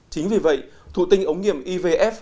chính vì vậy thủ tinh ống nghiệm ivf